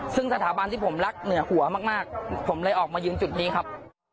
ซึ่งสถาบันที่ผมรักเหนือหัวมากผมเลยออกมายืนจุดนี้ครับ